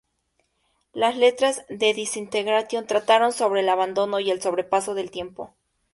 Las letras de "Disintegration" trataron sobre el abandono y sobre el paso del tiempo.